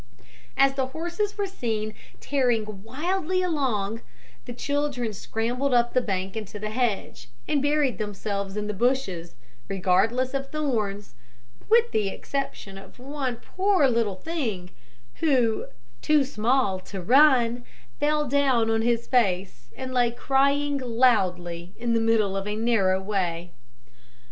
As the horses were seen tearing wildly along, the children scrambled up the bank into the hedge, and buried themselves in the bushes, regardless of thorns, with the exception of one poor little thing, who, too small to run, fell down on its face, and lay crying loudly in the middle of the narrow way.